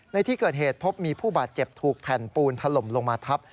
ในที่เกิดเหตุพบมีผู้บาดเจ็บถูกแผ่นปูนถล่มลงมาทับ